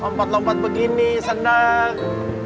lompat lompat begini senang